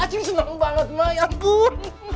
a ceng seneng banget mak ya ampun